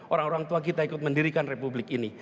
orang orang tua kita ikut mendirikan republik ini